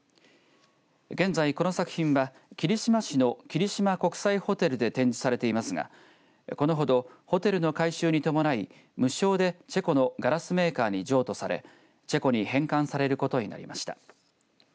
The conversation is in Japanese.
現在この作品は霧島市の霧島国際ホテルで展示されていますがこのほどホテルの改修に伴い無償でチェコのガラスメーカーに譲渡されチェコに返還されることになりました。